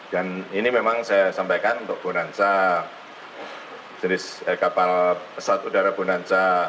dan ini memang saya sampaikan untuk bonansa jenis kapal pesawat udara bonansa